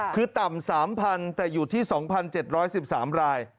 คือต่ำ๓๐๐แต่อยู่ที่๒๗๑๓ราย